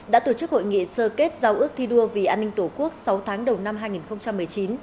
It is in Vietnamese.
đã tổ chức hội nghị sơ kết giao ước thi đua vì an ninh tổ quốc sáu tháng đầu năm hai nghìn một mươi chín